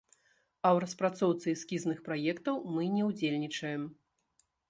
А ў распрацоўцы эскізных праектаў мы не ўдзельнічаем.